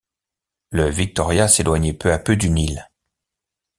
Le Victoria s’éloignait peu à peu du Nil.